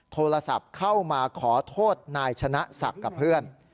โทรศัพท์เข้ามาขอโทษนายชนะศักดิ์กับเพื่อน